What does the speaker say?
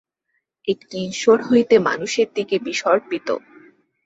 একটি ঈশ্বর হইতে মানুষের দিকে বিসর্পিত।